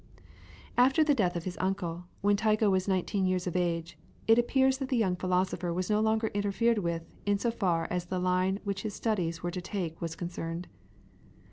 long.)] After the death of his uncle, when Tycho was nineteen years of age, it appears that the young philosopher was no longer interfered with in so far as the line which his studies were to take was concerned.